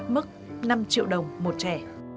mức năm triệu đồng một trẻ